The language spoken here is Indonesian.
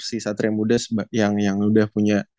si satria muda yang udah punya